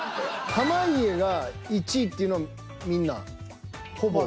濱家が１位っていうのはみんなほぼ。